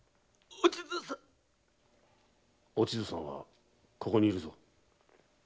お千津さんはここにいるぞ。